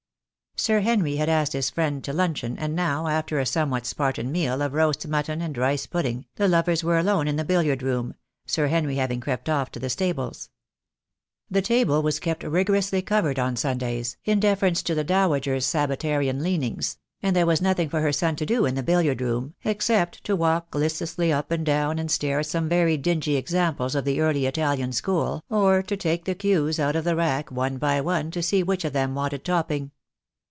Sir Henry had asked his friend to luncheon, and now, after a somewhat Spartan meal of roast mutton and rice pudding, the lovers were alone in the billiard room, Sir Henry having crept off to the stables. The table was kept rigorously covered on Sundays, in deference to the Dowager's Sabbatarian leanings; and there was nothing for her son to do in the billiard room, except to walk listlessly up and down and stare at some very dingy ex amples of the early Italian school, or to take the cues out of the rack one by one to see which of them wanted topping.